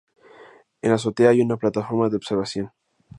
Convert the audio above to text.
En la azotea hay una plataforma de observación.